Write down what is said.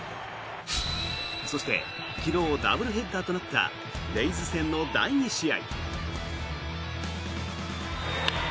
そして、昨日ダブルヘッダーとなったレイズ戦の第２試合。